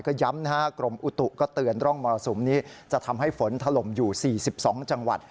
ก็ย้ำนะฮะกรมอุตุก็เตือนร่องมรสุมนี้จะทำให้ฝนถล่มอยู่๔๒จังหวัด